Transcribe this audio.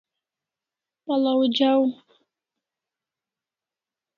Pal'aw jaw